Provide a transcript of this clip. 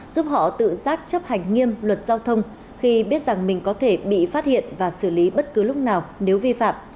giúp họ tự giác chấp hành nghiêm luật giao thông khi biết rằng mình có thể bị phát hiện và xử lý bất cứ lúc nào nếu vi phạm